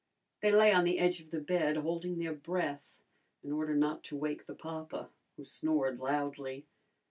They lay on the edge of the bed, holding their breath in order not to wake the papa who snored loudly.